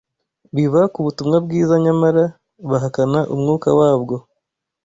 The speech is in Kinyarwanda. biva ku butumwa bwiza nyamara bahakana umwuka wabwo